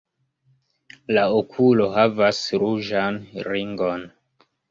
La okulo havas ruĝan ringon.